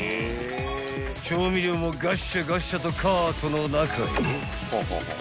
［調味料もガッシャガッシャとカートの中へ］